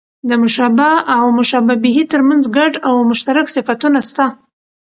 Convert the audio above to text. د مشبه او مشبه به؛ تر منځ ګډ او مشترک صفتونه سته.